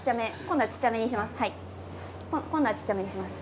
今度はちっちゃめにします。